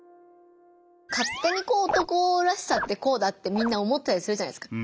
勝手にこう男らしさってこうだってみんな思ったりするじゃないですか。